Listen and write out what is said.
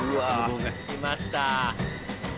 きました。